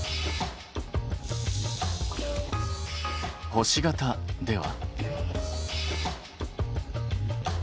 星形では？